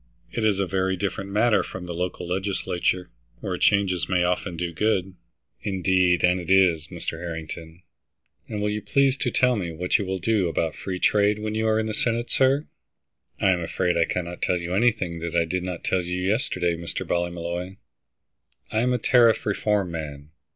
It is a very different matter from the local legislature, where changes may often do good." "Indeed and it is, Mr. Harrington. And will you please to tell me what you will do about free trade, when you're in the Senate, sir?" "I am afraid I cannot tell you anything that I did not tell you yesterday, Mr. Ballymolloy. I am a tariff reform man.